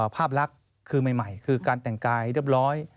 ภาพลักษณ์คือใหม่คือการแต่งกายเรียบร้อย